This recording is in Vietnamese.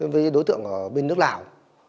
với đối tượng bên nước lào